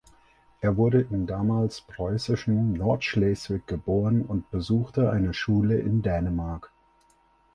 Er wurde im damals preußischen Nordschleswig geboren und besuchte eine Schule in Dänemark.